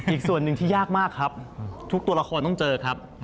อีกส่วนหนึ่งที่ยากมากครับทุกตัวละครต้องเจอครับ